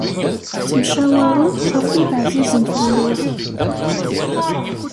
Ttemcawaṛen ɣef wid ɛzizen fell-ak.